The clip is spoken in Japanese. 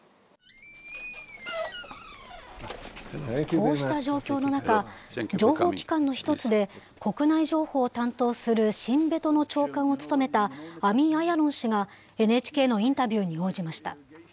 こうした状況の中、情報機関の１つで国内情報を担当するシンベトの長官を務めたアミ・アヤロン氏がＮＨＫのインタビューに応じました。